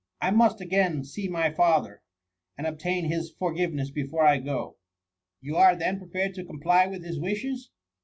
I must again see my father, and obtain his for giveness before I go." " You are then prepared to comply with his wishes